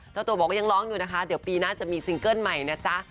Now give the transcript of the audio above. เจ้าตัวบอกว่ายังร้องอยู่นะคะเดี๋ยวปีหน้าจะมีซิงเกิ้ลใหม่นะจ๊ะ